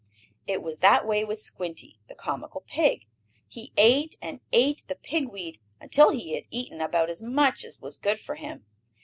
It was that way with Squinty, the comical pig. He ate and ate the pig weed, until he had eaten about as much as was good for him.